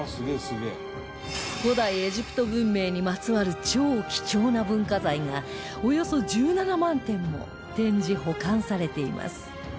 古代エジプト文明にまつわる超貴重な文化財がおよそ１７万点も展示保管されています